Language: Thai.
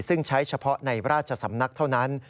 ซึ่งใช้เฉพาะในราชสำนักเท่านั้น